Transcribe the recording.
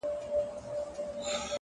مثبت ذهن پر حل لارو تمرکز کوي.